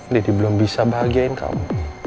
deddy belum bisa bahagiain kamu